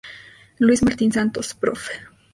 Luis Martín Santos, prof.